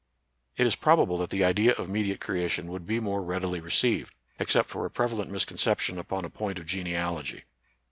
* It is probable that the idea of mediate crea tion would be more readily received, except for a prevalent misconception upon a point' of ge nealogy.